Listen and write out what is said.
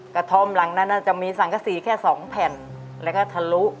กระท่อมหลังนั้นจะมีสังกษีแค่๒แผ่นแล้วก็ทะลุ